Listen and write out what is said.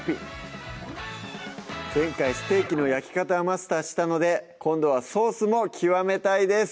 前回ステーキの焼き方をマスターしたので今度はソースも極めたいです！